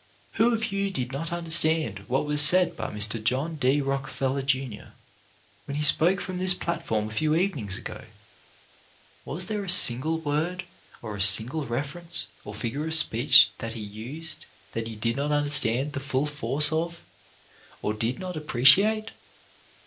Who of you did not understand what was said by Mr. John D. Rockefeller, Jr., when he spoke from this platform a few evenings ago ? Was there a single word, or a single reference, or figure of speech, that he used that you did not under stand the full force of, or did not appreciate?